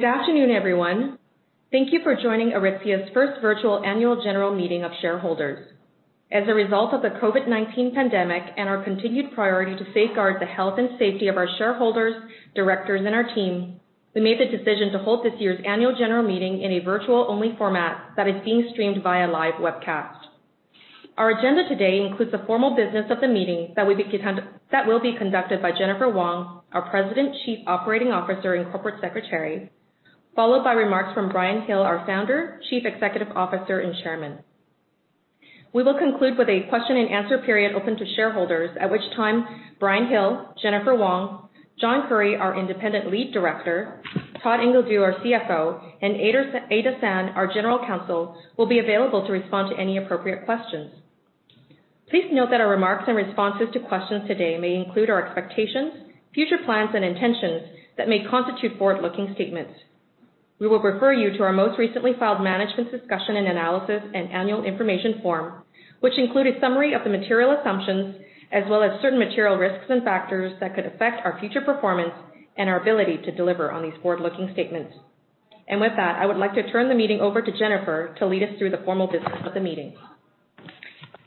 Good afternoon, everyone. Thank you for joining Aritzia's first virtual Annual General Meeting of Shareholders. As a result of the COVID-19 pandemic and our continued priority to safeguard the health and safety of our shareholders, directors, and our team, we made the decision to hold this year's annual general meeting in a virtual-only format that is being streamed via live webcast. Our agenda today includes the formal business of the meeting that will be conducted by Jennifer Wong, our President, Chief Operating Officer, and Corporate Secretary, followed by remarks from Brian Hill, our Founder, Chief Executive Officer, and Chairman. We will conclude with a question and answer period open to shareholders, at which time Brian Hill, Jennifer Wong, John Currie, our Independent Lead Director, Todd Ingledew, our CFO, and Ada San, our General Counsel, will be available to respond to any appropriate questions. Please note that our remarks and responses to questions today may include our expectations, future plans, and intentions that may constitute forward-looking statements. We will refer you to our most recently filed management discussion and analysis and annual information form, which include a summary of the material assumptions as well as certain material risks and factors that could affect our future performance and our ability to deliver on these forward-looking statements. With that, I would like to turn the meeting over to Jennifer to lead us through the formal business of the meeting.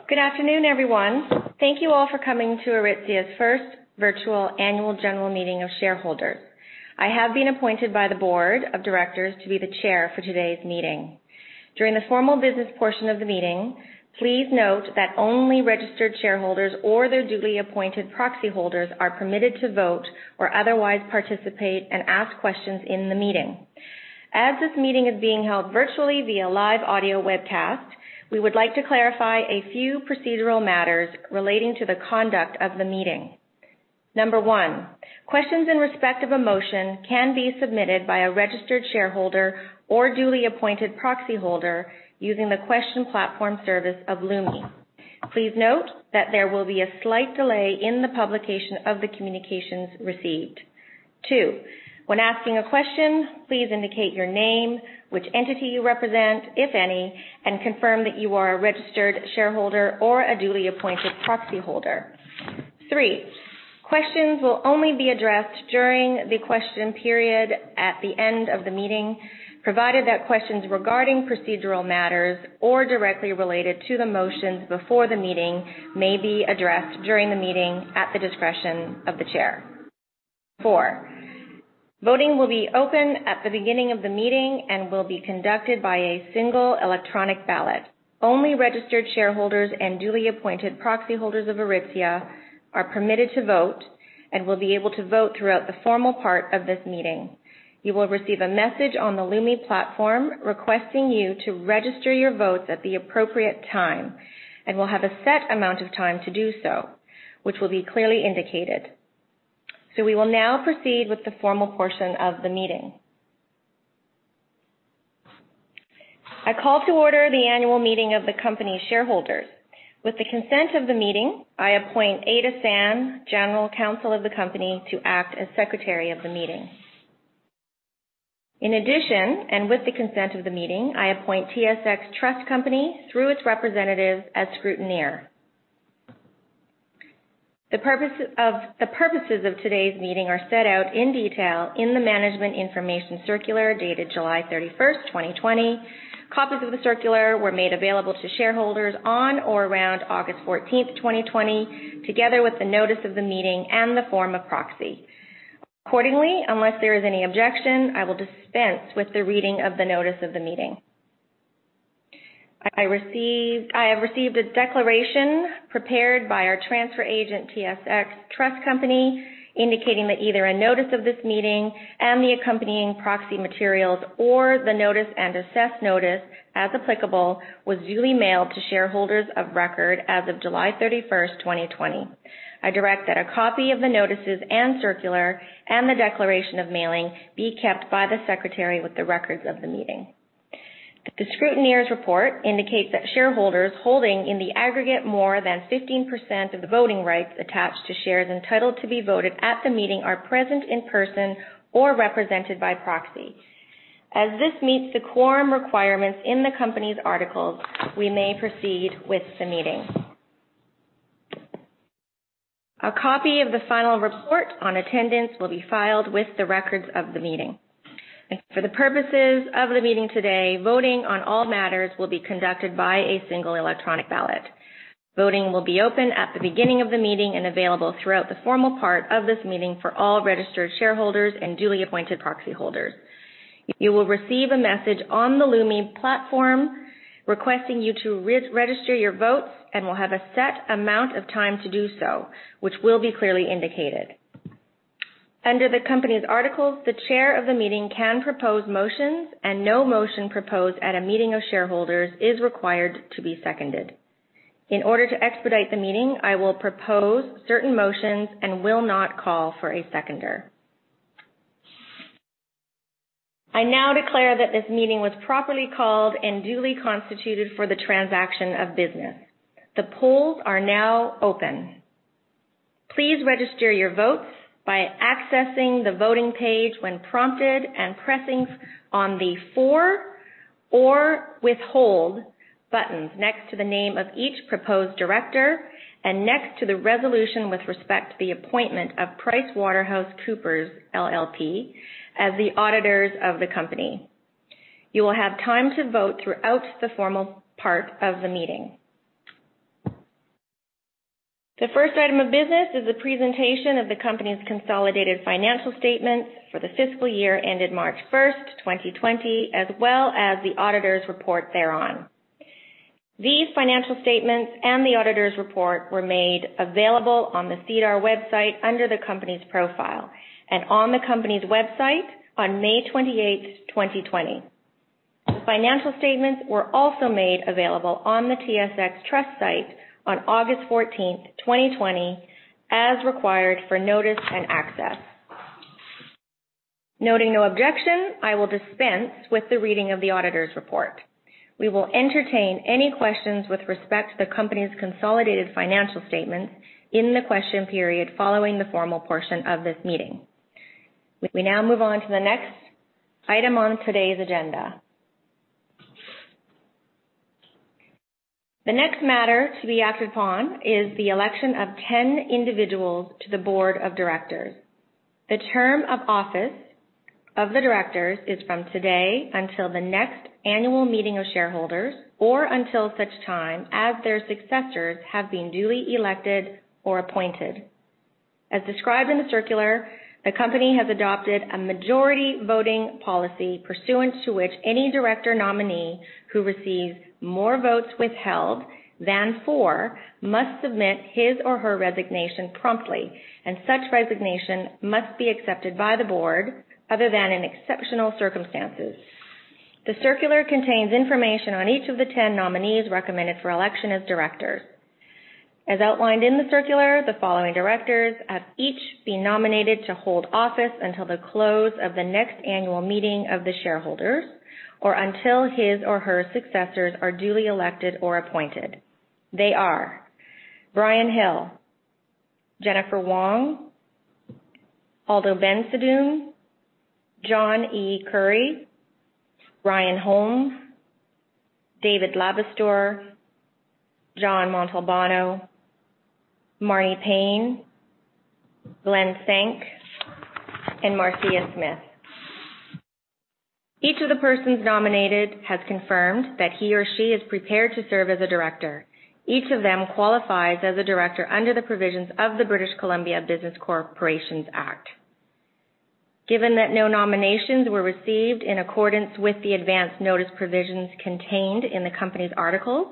Good afternoon, everyone. Thank you all for coming to Aritzia's first virtual Annual General Meeting of Shareholders. I have been appointed by the board of directors to be the chair for today's meeting. During the formal business portion of the meeting, please note that only registered shareholders or their duly appointed proxy holders are permitted to vote or otherwise participate and ask questions in the meeting. As this meeting is being held virtually via live audio webcast, we would like to clarify a few procedural matters relating to the conduct of the meeting. Number one, questions in respect of a motion can be submitted by a registered shareholder or duly appointed proxy holder using the question platform service of Lumi. Please note that there will be a slight delay in the publication of the communications received. Two, when asking a question, please indicate your name, which entity you represent, if any, and confirm that you are a registered shareholder or a duly appointed proxy holder. Three, questions will only be addressed during the question period at the end of the meeting, provided that questions regarding procedural matters or directly related to the motions before the meeting may be addressed during the meeting at the discretion of the chair. Four, voting will be open at the beginning of the meeting and will be conducted by a single electronic ballot. Only registered shareholders and duly appointed proxy holders of Aritzia are permitted to vote and will be able to vote throughout the formal part of this meeting. You will receive a message on the Lumi platform requesting you to register your votes at the appropriate time and will have a set amount of time to do so, which will be clearly indicated. We will now proceed with the formal portion of the meeting. I call to order the annual meeting of the company shareholders. With the consent of the meeting, I appoint Ada San, General Counsel of the company, to act as Secretary of the meeting. In addition, and with the consent of the meeting, I appoint TSX Trust Company through its representatives as scrutineer. The purposes of today's meeting are set out in detail in the management information circular dated July 31, 2020. Copies of the circular were made available to shareholders on or around August 14, 2020, together with the notice of the meeting and the form of proxy. Accordingly, unless there is any objection, I will dispense with the reading of the notice of the meeting. I have received a declaration prepared by our transfer agent, TSX Trust Company, indicating that either a notice of this meeting and the accompanying proxy materials or the notice and access notice, as applicable, was duly mailed to shareholders of record as of July 31st, 2020. I direct that a copy of the notices and circular and the declaration of mailing be kept by the secretary with the records of the meeting. The scrutineer's report indicates that shareholders holding in the aggregate more than 15% of the voting rights attached to shares entitled to be voted at the meeting are present in person or represented by proxy. As this meets the quorum requirements in the company's articles, we may proceed with the meeting. A copy of the final report on attendance will be filed with the records of the meeting. For the purposes of the meeting today, voting on all matters will be conducted by a single electronic ballot. Voting will be open at the beginning of the meeting and available throughout the formal part of this meeting for all registered shareholders and duly appointed proxy holders. You will receive a message on the Lumi platform requesting you to register your votes and will have a set amount of time to do so, which will be clearly indicated. Under the company's articles, the chair of the meeting can propose motions, and no motion proposed at a meeting of shareholders is required to be seconded. In order to expedite the meeting, I will propose certain motions and will not call for a seconder. I now declare that this meeting was properly called and duly constituted for the transaction of business. The polls are now open. Please register your votes by accessing the voting page when prompted and pressing on the "For" or "withhold" buttons next to the name of each proposed director and next to the resolution with respect to the appointment of PricewaterhouseCoopers, LLP as the auditors of the company. You will have time to vote throughout the formal part of the meeting. The first item of business is a presentation of the company's consolidated financial statements for the fiscal year ended March 1st, 2020, as well as the auditor's report thereon. These financial statements and the auditor's report were made available on the SEDAR website under the company's profile and on the company's website on May 28th, 2020. The financial statements were also made available on the TSX Trust site on August 14th, 2020, as required for notice and access. Noting no objection, I will dispense with the reading of the auditor's report. We will entertain any questions with respect to the company's consolidated financial statements in the question period following the formal portion of this meeting. We now move on to the next item on today's agenda. The next matter to be acted upon is the election of 10 individuals to the board of directors. The term of office of the directors is from today until the next annual meeting of shareholders or until such time as their successors have been duly elected or appointed. As described in the circular, the company has adopted a majority voting policy pursuant to which any director nominee who receives more votes withheld than for must submit his or her resignation promptly, and such resignation must be accepted by the board other than in exceptional circumstances. The circular contains information on each of the 10 nominees recommended for election as directors. As outlined in the circular, the following directors have each been nominated to hold office until the close of the next annual meeting of the shareholders or until his or her successors are duly elected or appointed. They are Brian Hill, Jennifer Wong, Aldo Bensadoun, John E. Currie, Ryan Holmes, David Labistour, John Montalbano, Marni Payne, Glen Senk, and Marcia Smith. Each of the persons nominated has confirmed that he or she is prepared to serve as a director. Each of them qualifies as a director under the provisions of the British Columbia Business Corporations Act. Given that no nominations were received in accordance with the advance notice provisions contained in the company's articles,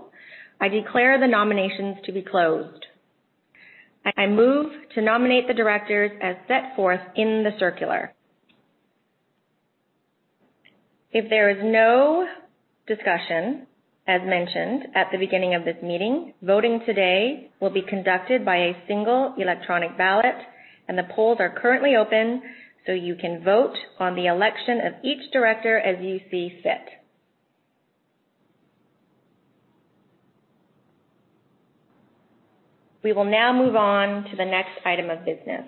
I declare the nominations to be closed. I move to nominate the directors as set forth in the circular. If there is no discussion, as mentioned at the beginning of this meeting, voting today will be conducted by a single electronic ballot, and the polls are currently open so you can vote on the election of each director as you see fit. We will now move on to the next item of business.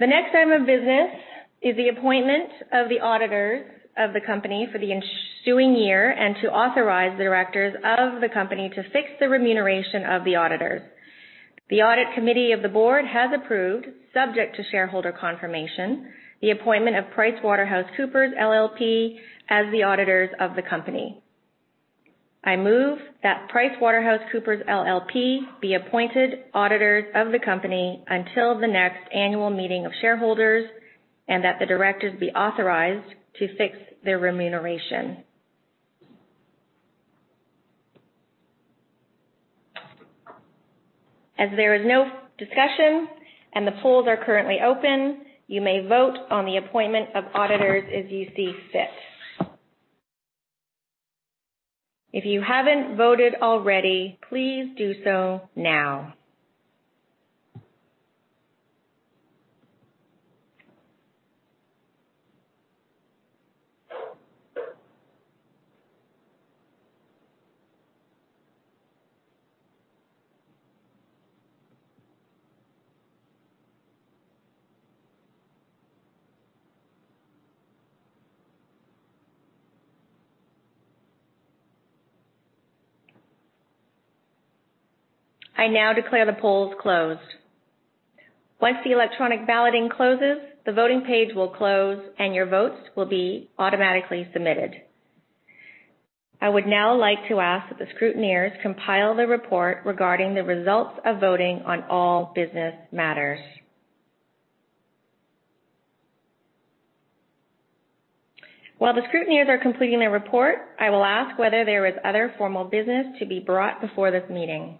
The next item of business is the appointment of the auditors of the company for the ensuing year and to authorize the directors of the company to fix the remuneration of the auditors. The audit committee of the board has approved, subject to shareholder confirmation, the appointment of PricewaterhouseCoopers, LLP as the auditors of the company. I move that PricewaterhouseCoopers, LLP be appointed auditors of the company until the next annual meeting of shareholders, and that the directors be authorized to fix their remuneration. As there is no discussion and the polls are currently open, you may vote on the appointment of auditors as you see fit. If you haven't voted already, please do so now. I now declare the polls closed. Once the electronic balloting closes, the voting page will close, and your votes will be automatically submitted. I would now like to ask that the scrutineers compile the report regarding the results of voting on all business matters. While the scrutineers are completing their report, I will ask whether there is other formal business to be brought before this meeting.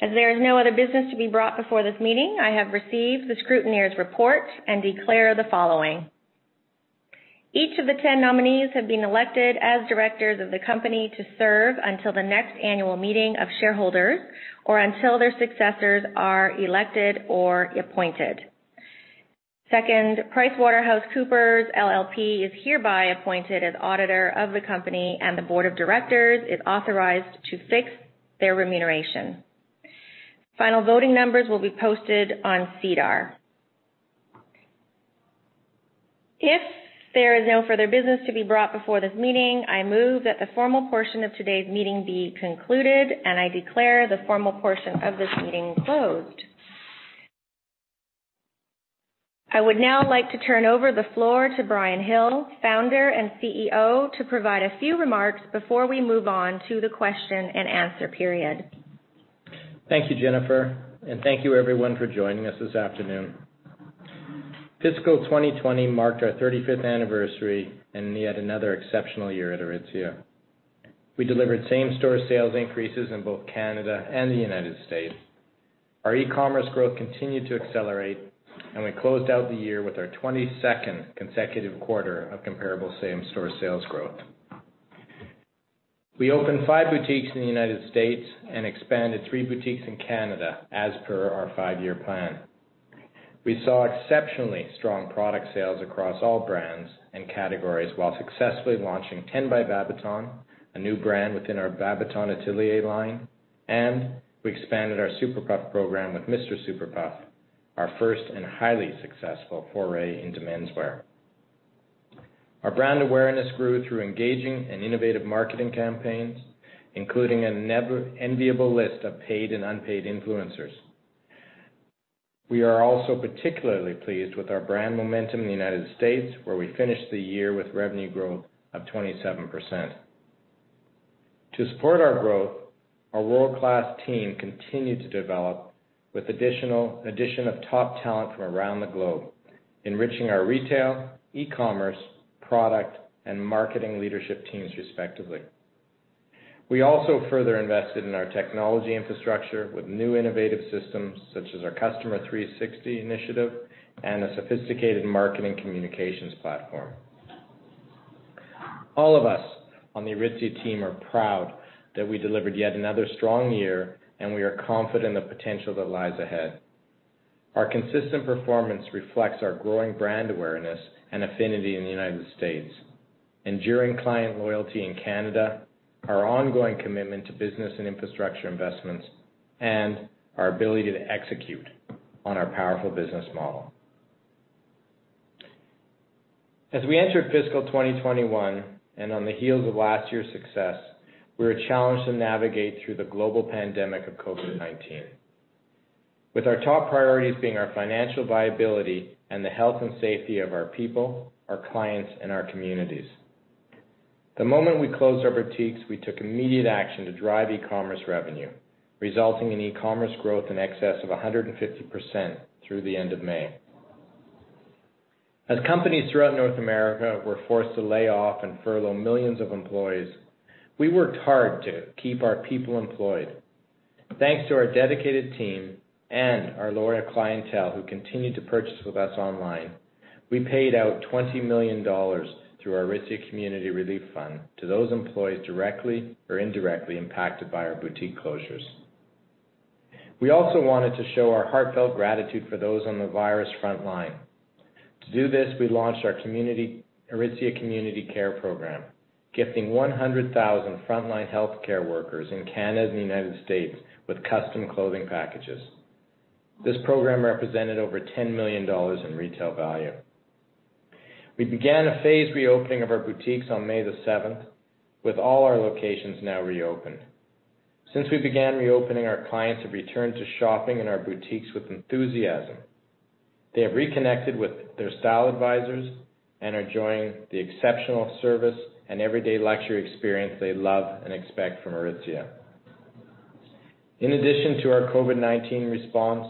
As there is no other business to be brought before this meeting, I have received the scrutineers' report and declare the following. Each of the 10 nominees have been elected as directors of the company to serve until the next annual meeting of shareholders or until their successors are elected or appointed. Second, PricewaterhouseCoopers, LLP is hereby appointed as auditor of the company and the board of directors is authorized to fix their remuneration. Final voting numbers will be posted on SEDAR. If there is no further business to be brought before this meeting, I move that the formal portion of today's meeting be concluded, and I declare the formal portion of this meeting closed. I would now like to turn over the floor to Brian Hill, founder and CEO, to provide a few remarks before we move on to the question and answer period. Thank you, Jennifer, and thank you everyone for joining us this afternoon. Fiscal 2020 marked our 35th anniversary and yet another exceptional year at Aritzia. We delivered same-store sales increases in both Canada and the United States. Our e-commerce growth continued to accelerate, and we closed out the year with our 22nd consecutive quarter of comparable same-store sales growth. We opened five boutiques in the United States and expanded three boutiques in Canada as per our five-year plan. We saw exceptionally strong product sales across all brands and categories while successfully launching Ten by Babaton, a new brand within our Babaton Atelier line, and we expanded our Super Puff program with Mr. Super Puff, our first and highly successful foray into menswear. Our brand awareness grew through engaging in innovative marketing campaigns, including an enviable list of paid and unpaid influencers. We are also particularly pleased with our brand momentum in the United States, where we finished the year with revenue growth of 27%. To support our growth, our world-class team continued to develop with addition of top talent from around the globe, enriching our retail, e-commerce, product, and marketing leadership teams respectively. We also further invested in our technology infrastructure with new innovative systems such as our Customer 360 Initiative and a sophisticated marketing communications platform. All of us on the Aritzia team are proud that we delivered yet another strong year, and we are confident in the potential that lies ahead. Our consistent performance reflects our growing brand awareness and affinity in the United States, enduring client loyalty in Canada, our ongoing commitment to business and infrastructure investments, and our ability to execute on our powerful business model. As we entered fiscal 2021, and on the heels of last year's success, we were challenged to navigate through the global pandemic of COVID-19, with our top priorities being our financial viability and the health and safety of our people, our clients, and our communities. The moment we closed our boutiques, we took immediate action to drive e-commerce revenue, resulting in e-commerce growth in excess of 150% through the end of May. As companies throughout North America were forced to lay off and furlough millions of employees, we worked hard to keep our people employed. Thanks to our dedicated team and our loyal clientele who continued to purchase with us online, we paid out 20 million dollars through our Aritzia Community Relief Fund to those employees directly or indirectly impacted by our boutique closures. We also wanted to show our heartfelt gratitude for those on the virus front line. To do this, we launched our Aritzia Community Care Program, gifting 100,000 frontline healthcare workers in Canada and the United States with custom clothing packages. This program represented over 10 million dollars in retail value. We began a phased reopening of our boutiques on May the 7th, with all our locations now reopened. Since we began reopening, our clients have returned to shopping in our boutiques with enthusiasm. They have reconnected with their style advisors and are enjoying the exceptional service and everyday luxury experience they love and expect from Aritzia. In addition to our COVID-19 response,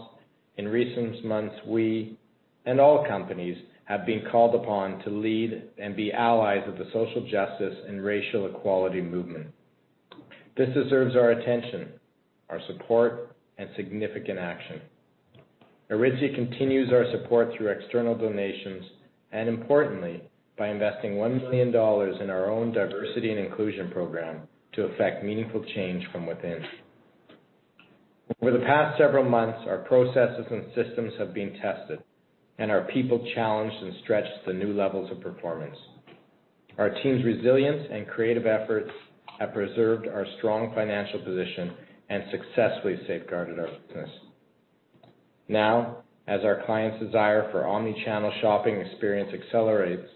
in recent months, we and all companies have been called upon to lead and be allies of the social justice and racial equality movement. This deserves our attention, our support, and significant action. Aritzia continues our support through external donations and importantly, by investing 1 million dollars in our own Diversity and Inclusion Program to affect meaningful change from within. Over the past several months, our processes and systems have been tested and our people challenged and stretched to new levels of performance. Our team's resilience and creative efforts have preserved our strong financial position and successfully safeguarded our business. Now, as our clients' desire for omni-channel shopping experience accelerates,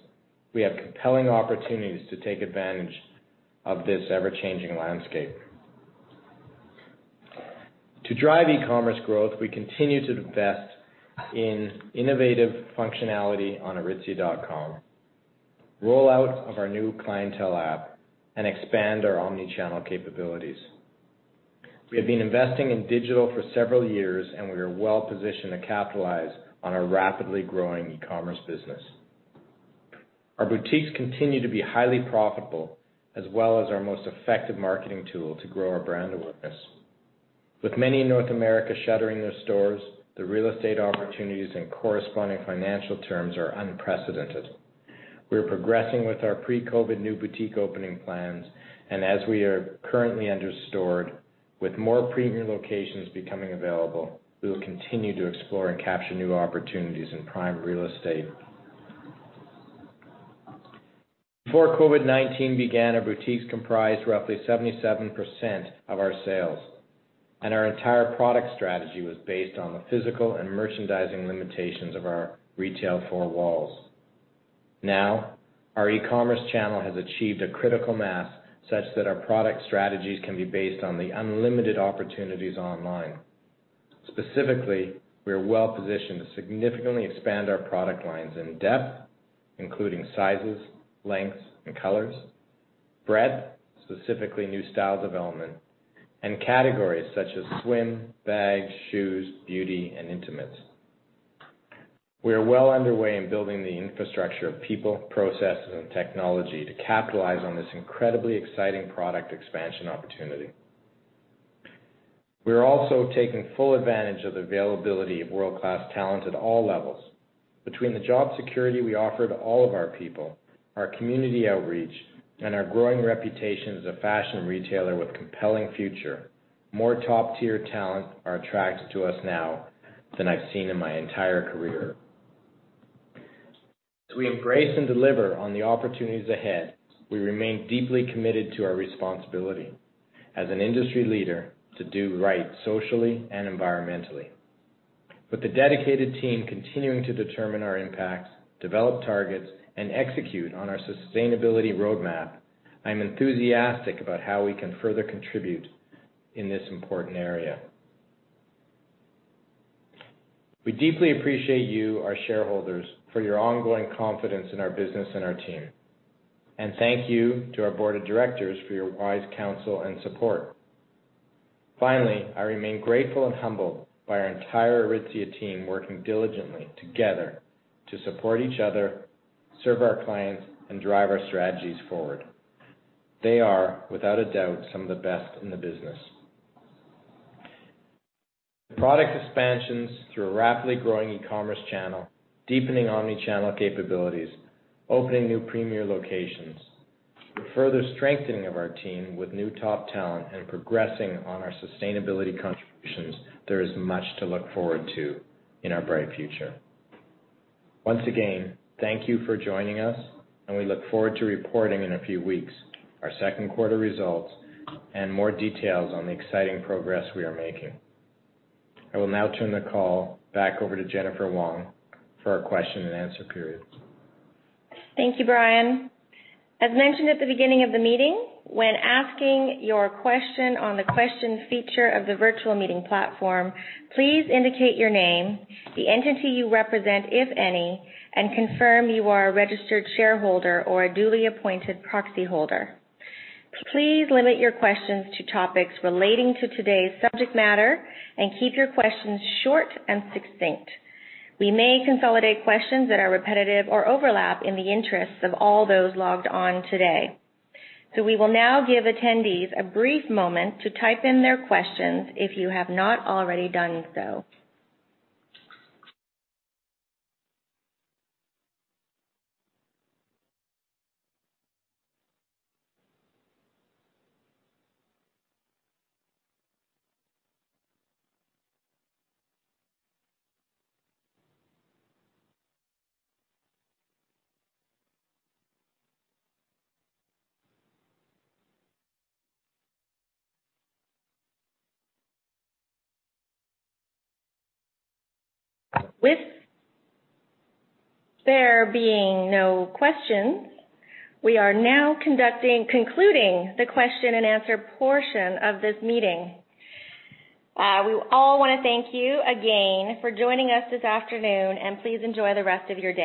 we have compelling opportunities to take advantage of this ever-changing landscape. To drive e-commerce growth, we continue to invest in innovative functionality on aritzia.com, rollout of our new Clientele App, and expand our omni-channel capabilities. We have been investing in digital for several years, and we are well positioned to capitalize on our rapidly growing e-commerce business. Our boutiques continue to be highly profitable, as well as our most effective marketing tool to grow our brand awareness. With many in North America shuttering their stores, the real estate opportunities and corresponding financial terms are unprecedented. We are progressing with our pre-COVID new boutique opening plans, and as we are currently under-stored, with more premier locations becoming available, we will continue to explore and capture new opportunities in prime real estate. Before COVID-19 began, our boutiques comprised roughly 77% of our sales, and our entire product strategy was based on the physical and merchandising limitations of our retail four walls. Now, our e-commerce channel has achieved a critical mass such that our product strategies can be based on the unlimited opportunities online. Specifically, we are well positioned to significantly expand our product lines in depth, including sizes, lengths, and colors, breadth, specifically new style development, and categories such as swim, bags, shoes, beauty, and intimates. We are well underway in building the infrastructure of people, processes, and technology to capitalize on this incredibly exciting product expansion opportunity. We are also taking full advantage of the availability of world-class talent at all levels. Between the job security we offer to all of our people, our community outreach, and our growing reputation as a fashion retailer with compelling future, more top-tier talent are attracted to us now than I've seen in my entire career. As we embrace and deliver on the opportunities ahead, we remain deeply committed to our responsibility as an industry leader to do right socially and environmentally. With the dedicated team continuing to determine our impacts, develop targets, and execute on our sustainability roadmap, I'm enthusiastic about how we can further contribute in this important area. We deeply appreciate you, our shareholders, for your ongoing confidence in our business and our team. Thank you to our board of directors for your wise counsel and support. Finally, I remain grateful and humbled by our entire Aritzia team working diligently together to support each other, serve our clients, and drive our strategies forward. They are, without a doubt, some of the best in the business. With product expansions through a rapidly growing e-commerce channel, deepening omni-channel capabilities, opening new premier locations, the further strengthening of our team with new top talent and progressing on our sustainability contributions, there is much to look forward to in our bright future. Once again, thank you for joining us, and we look forward to reporting in a few weeks our second quarter results and more details on the exciting progress we are making. I will now turn the call back over to Jennifer Wong for our question and answer period. Thank you, Brian. As mentioned at the beginning of the meeting, when asking your question on the question feature of the virtual meeting platform, please indicate your name, the entity you represent, if any, and confirm you are a registered shareholder or a duly appointed proxy holder. Please limit your questions to topics relating to today's subject matter and keep your questions short and succinct. We may consolidate questions that are repetitive or overlap in the interests of all those logged on today. We will now give attendees a brief moment to type in their questions if you have not already done so. With there being no questions, we are now concluding the question and answer portion of this meeting. We all want to thank you again for joining us this afternoon, and please enjoy the rest of your day.